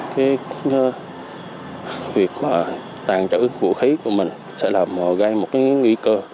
việc tàn trữ vũ khí của mình sẽ gây một cái nguy cơ